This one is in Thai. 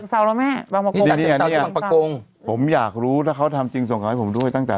สารห้าแม่มาบอกมีหั่นประคงผมอยากรู้ว่าเขาทำจริงส่งมาให้ผมด้วยตั้งแต่